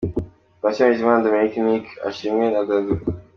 Patient Bizimana, Dominic Ashimwe na Dudu.